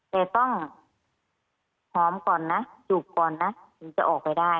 แต่ต้องหอมก่อนนะจูบก่อนนะถึงจะออกไปได้